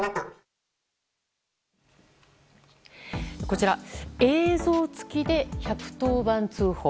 こちら映像付きで１１０番通報。